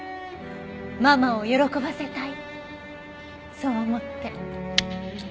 ママを喜ばせたいそう思って。